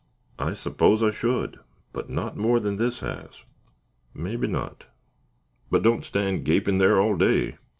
"I suppose I should, but not more than this has." "Mebbe not, but don't stand gapin' there all day.